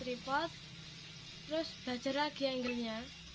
terus baca lagi yang giginya